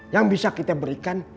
yang bisa kita berikan